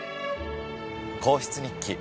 『皇室日記』